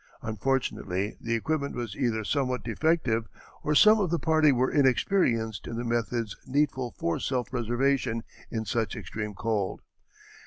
Unfortunately the equipment was either somewhat defective or some of the party were inexperienced in the methods needful for self preservation in such extreme cold.